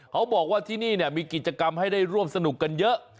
เขาบอกว่าที่นี่มีกิจกรรมให้ได้ร่วมสนุกกันเยอะ